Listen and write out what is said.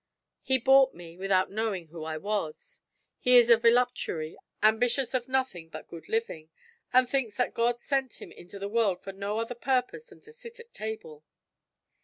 He bought me without knowing who I was. He is a voluptuary, ambitious of nothing but good living, and thinks that God sent him into the world for no other purpose than to sit at table.